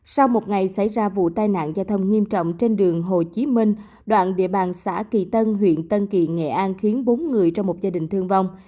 sau một ngày xảy ra vụ tai nạn giao thông nghiêm trọng trên đường hồ chí minh đoạn địa bàn xã kỳ tân huyện tân kỳ nghệ an khiến bốn người trong một gia đình thương vong